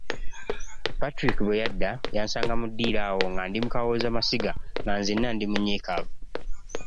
Patrick bwe yadda yansanga mu ddiiro awo nga mu kawozamasiga, nga nzenna ndi munyiikaavu.